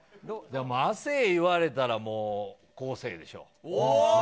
亜生、言われた昴生でしょ。